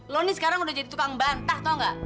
lo nih sekarang udah jadi tukang bantah tau gak